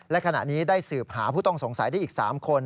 และขณะนี้ได้สืบหาผู้ต้องสงสัยได้อีก๓คน